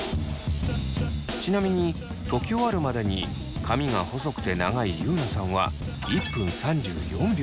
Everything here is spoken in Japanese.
ちなみにとき終わるまでに髪が細くて長いゆうなさんは１分３４秒。